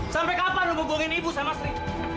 sampai kapan lo mau buangin ibu sama sri